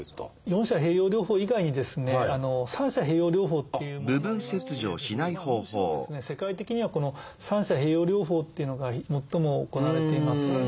四者併用療法以外にですね三者併用療法っていうものもありましてむしろ世界的にはこの三者併用療法っていうのが最も行われています。